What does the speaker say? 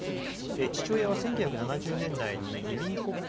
父親は１９７０年代に移民国家